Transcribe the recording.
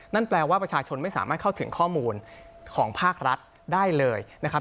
นั่นแปลว่าประชาชนไม่สามารถเข้าถึงข้อมูลของภาครัฐได้เลยนะครับ